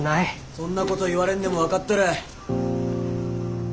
そんなこと言われんでも分かっとる。